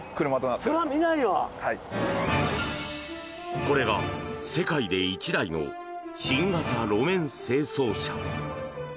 これが世界で１台の新型路面清掃車。